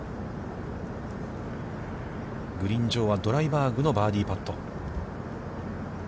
グリーン上はドライバーグのパーパット。